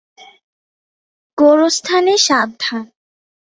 গোরস্থানে সাবধান!